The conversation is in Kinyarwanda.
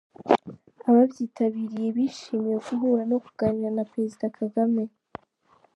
Ababyitabiriwe bishimiye guhura no kuganira na Perezida Kagame.